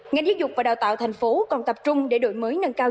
ngành giáo dục và đào tạo thành phố còn tập trung để đổi mới nâng cao